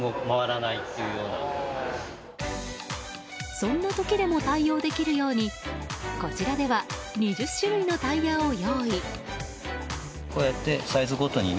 そんな時でも対応できるようにこちらでは２０種類のタイヤを用意。